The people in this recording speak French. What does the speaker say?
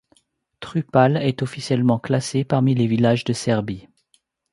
Trupale est officiellement classé parmi les villages de Serbie.